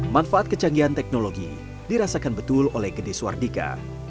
manfaat kecanggihan teknologi dirasakan betul oleh gedis wardika